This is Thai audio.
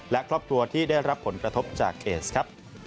และครอบครัวที่ได้รับผลกระทบจากเคสครับ